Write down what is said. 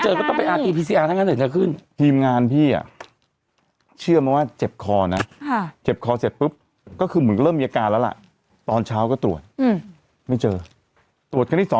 รถทะเบียนรถก่อนเลยรถทะเบียน๗๗๗